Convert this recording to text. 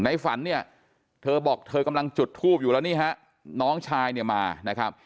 ในฝันเธอบอกเธอกำลังจุดทูบอยู่แล้วน้องชายมา